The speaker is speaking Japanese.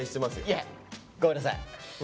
いやごめんなさい。